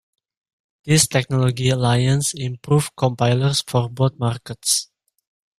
This technology alliance improved compilers for both markets.